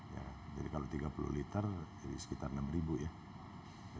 jadi kalau tiga puluh liter jadi sekitar rp enam ya